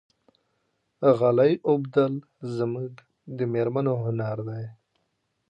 غالۍ اوبدل زموږ د مېرمنو هنر دی.